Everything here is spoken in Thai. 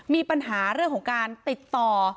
มีปัญหาเรื่องของการติดต่อ